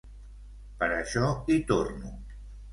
Per això hi torno.